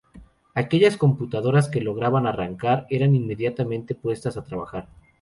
Aquellas computadoras que lograban arrancar eran inmediatamente puestas a trabajar.